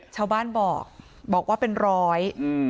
ชาวบ้านบอกบอกว่าเป็นร้อยอืม